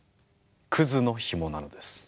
クズのヒモなのです。